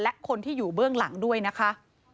และคนที่อยู่เบื้องหลังด้วยนะคะ